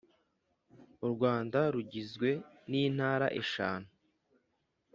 Urwanda rugizwe nintara eshanu